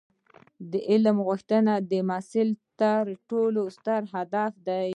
د علم غوښتنه د محصل تر ټولو ستر هدف دی.